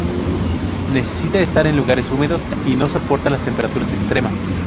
Necesita estar en lugares húmedos y no soporta las temperaturas extremas.